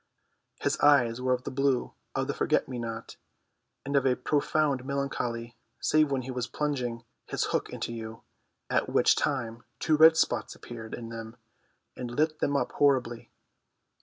His eyes were of the blue of the forget me not, and of a profound melancholy, save when he was plunging his hook into you, at which time two red spots appeared in them and lit them up horribly.